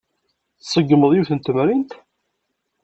Tṣeggmeḍ yiwet n temrint.